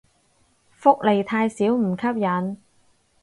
福利太少唔吸引